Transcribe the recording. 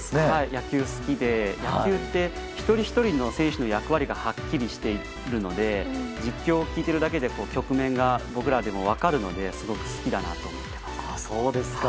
野球が好きで野球って一人ひとりの選手の役割がはっきりしているので実況を聞いているだけで局面が僕らでも分かるのですごく好きだなと思っています。